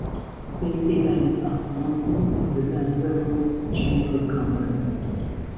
These events are sponsored by the Belleville Chamber of Commerce.